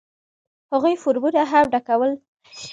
هغوی فورمونه هم ډکول زده کړل.